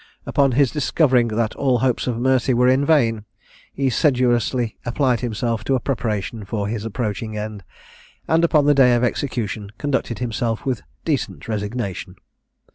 Upon his discovering that all hopes of mercy were vain, he sedulously applied himself to a preparation for his approaching end, and upon the day of execution conducted himself with decent resignation.